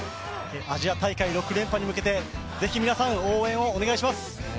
アジア大会６連覇に向けて是非皆さん応援よろしくお願いします。